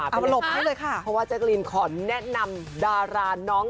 ลงไปเลยค่ะเพราะวัตเตอร์ลีนขอแนะนำดาราน้อง